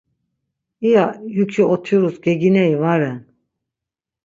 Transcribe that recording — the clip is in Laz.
İya yuki otirus gegineri va ren.